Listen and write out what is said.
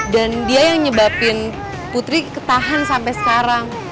dan dia yang nyebabin putri ketahan sampai sekarang